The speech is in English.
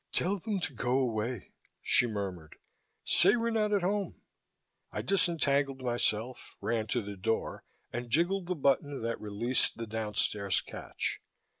"Tell them to go away," she murmured. "Say we're not at home." I disentangled myself, ran to the door and jiggled the button that released the downstairs catch.